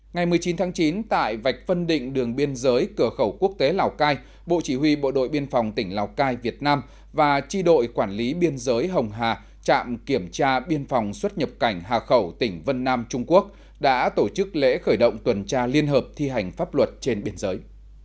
ngày một mươi chín tháng chín tại vạch phân định đường biên giới cửa khẩu quốc tế lào cai bộ chỉ huy bộ đội biên phòng tỉnh lào cai việt nam và chi đội quản lý biên giới hồng hà trạm kiểm tra biên phòng xuất nhập cảnh hà khẩu tỉnh vân nam trung quốc đã tổ chức lễ khởi động tuần tra liên hợp thi hành pháp luật trên biên giới